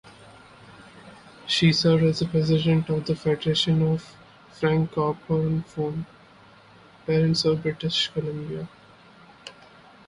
She served as President of the Federation of Francophone Parents of British Columbia.